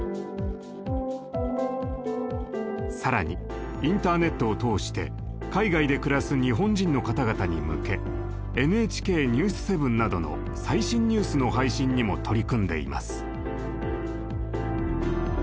更にインターネットを通して海外で暮らす日本人の方々に向け「ＮＨＫニュース７」などの最新ニュースの配信にも取り組んでいます。